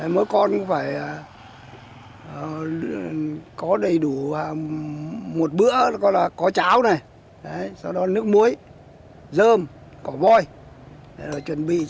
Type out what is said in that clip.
mỗi con cũng phải có đầy đủ một bữa có cháo nước muối dơm cỏ vôi